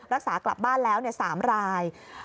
รักษากลับบ้านแล้ว๓ราย